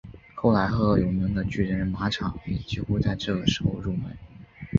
后来赫赫有名的巨人马场也几乎在这个时候入门。